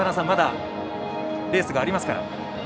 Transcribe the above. まだレースがありますから。